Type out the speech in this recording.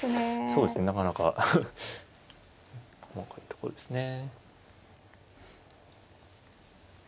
そうですねなかなか細かいところですね。